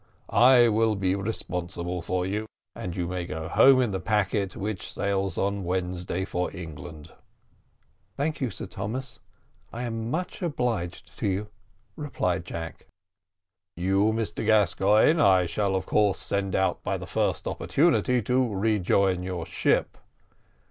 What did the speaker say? I will be responsible for you, and you may go home in the packet which sails on Wednesday for England." "Thank you, Sir Thomas, I am much obliged to you," replied Jack. "You, Mr Gascoigne, I shall, of course, send out by the first opportunity to rejoin your ship."